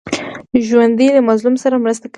ژوندي له مظلوم سره مرسته کوي